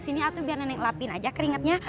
sini atuh biar nenek lapin aja keringetnya